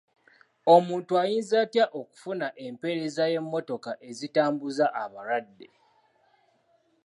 Omuntu ayinza atya okufuna empeereza y'emmotoka ezitambuza abalwadde?